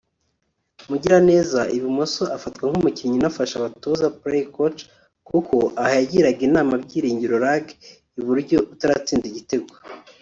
Mugiraneza (ibumoso) afatwa nk'umukinnyi unafasha abatoza (Player-Coach) kuko aha yagiraga inama Byiringiro Lague (iburyo) utaratsinda igitego